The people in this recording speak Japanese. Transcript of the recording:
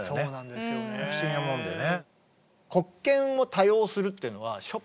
不思議なもんでね。